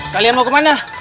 kalian mau kemana